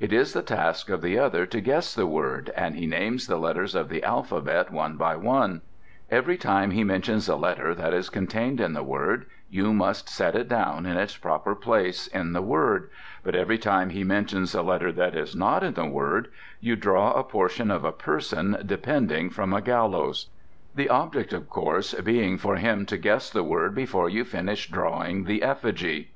It is the task of the other to guess the word, and he names the letters of the alphabet one by one. Every time he mentions a letter that is contained in the word you must set it down in its proper place in the word, but every time he mentions a letter that is not in the word you draw a portion of a person depending from a gallows; the object of course being for him to guess the word before you finish drawing the effigy.